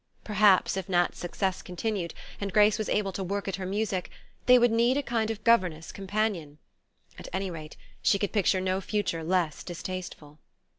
Perhaps, if Nat's success continued, and Grace was able to work at her music, they would need a kind of governess companion. At any rate, she could picture no future less distasteful.